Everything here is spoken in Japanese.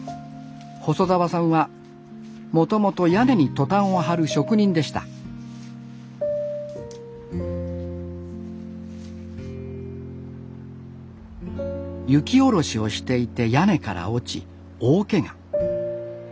細澤さんはもともと屋根にトタンを張る職人でした雪下ろしをしていて屋根から落ち大けが。